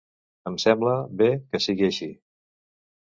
Em sembla bé que sigui així.